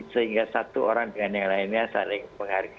sehingga satu orang dengan yang lainnya saling menghargai